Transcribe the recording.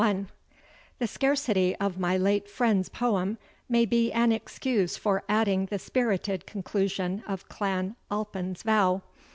I The scarcity of my late friend's poem may be an excuse for adding the spirited conclusion of Clan Alpin's vow.